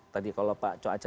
tadi kalau pak coaca